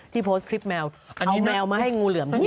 ที่โพสต์คลิปแมวเอาแมวมาให้งูเหลื่อมที่นี่